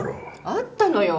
あったのよ。